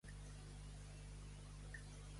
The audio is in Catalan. Què ocorrerà si tot es desenvolupa de manera normal?